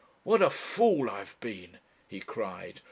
"What a fool I have been!" he cried.